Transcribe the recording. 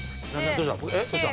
どうした？